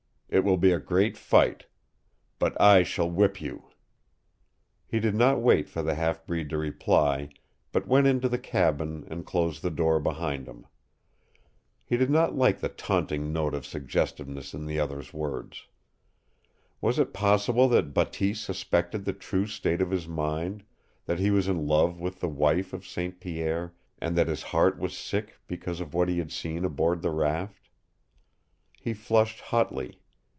It will be a great fight. But I shall whip you!" He did not wait for the half breed to reply, but went into the cabin and closed the door behind him. He did not like the taunting note of suggestiveness in the other's words. Was it possible that Bateese suspected the true state of his mind, that he was in love with the wife of St. Pierre, and that his heart was sick because of what he had seen aboard the raft? He flushed hotly.